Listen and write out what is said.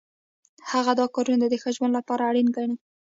هغه دا کارونه د ښه ژوند لپاره اړین ګڼي.